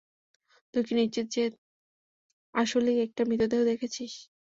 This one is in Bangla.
তুই কি নিশ্চিত যে আসলেই একটা মৃতদেহ দেখেছিস?